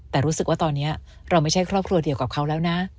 แต่รู้สึกว่าตอนนี้เราไม่ใช่ครอบครัวเดียวกับเขาแล้วนะ